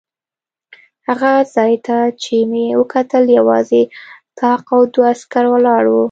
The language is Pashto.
هغه ځای ته چې مې وکتل یوازې طاق او دوه عسکر ولاړ و.